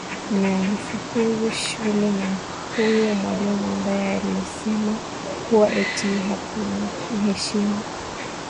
Na alifukuzwa shule na huyo mwalimu ambaye alisema kuwa eti hakumheshimu